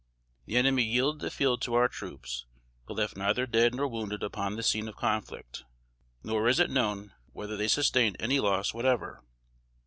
The enemy yielded the field to our troops, but left neither dead nor wounded upon the scene of conflict, nor is it known whether they sustained any loss whatever.